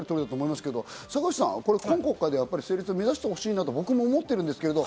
坂口さん、今国会で成立を目指してほしいなと僕も思ってるんですけど。